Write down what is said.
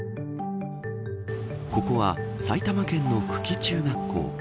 ここは、埼玉県の久喜中学校。